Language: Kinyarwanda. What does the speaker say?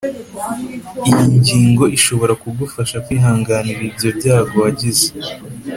iyi ngingo ishobora kugufasha kwihanganira ibyo byago wagize